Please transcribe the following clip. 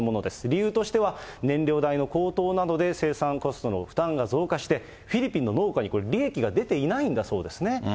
理由としては、燃料代の高騰などで生産コストの負担が増加して、フィリピンの農家にこれ、利益が出ていないんだそうですね。